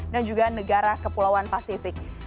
dan juga negara kepulauan pasifik